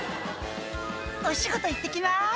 「お仕事いってきます」